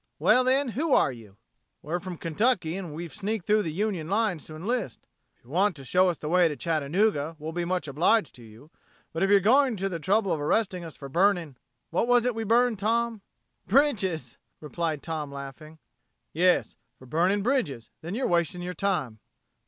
"Well, then, who are you?" "We're from Kentucky and we've sneaked through the Union lines to enlist. If you want to show us the way to Chattanooga we'll be much obliged to you. But if you're going to the trouble of arresting us for burning.... What was it we burned, Tom?" "Bridges," replied Tom, laughing. "Yes for burning bridges, then you're wasting your time."